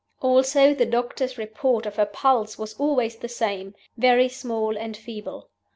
Also, the doctor's report of her pulse was always the same 'very small and feeble.